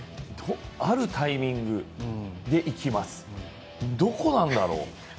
あるタイミングで「行きます」、どこなんだろう。